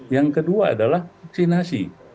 yang kedua adalah vaksinasi